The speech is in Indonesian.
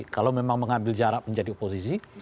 kalau memang mengambil jarak menjadi oposisi